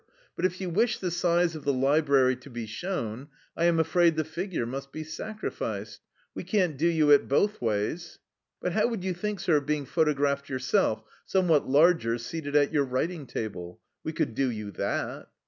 But if you wish the size of the library to be shown, I am afraid the figure must be sacrificed. We can't do you it both ways. But how would you think, sir, of being photographed yourself, somewhat larger, seated at your writing table? We could do you that."